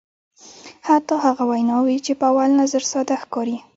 حتی هغه ویناوی چې په اول نظر ساده ښکاري.